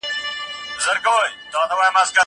زه به سبا کتابتون ته راځم وم!!